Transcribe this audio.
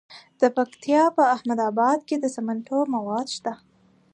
د پکتیا په احمد اباد کې د سمنټو مواد شته.